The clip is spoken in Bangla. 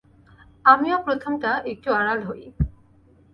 আমিও প্রথমটা একটু আড়াল হই।